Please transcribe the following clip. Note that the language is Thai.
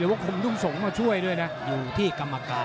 หรือว่าผู้สุดท้ายมีสิงคลอยวิทยาหมูสะพานใหม่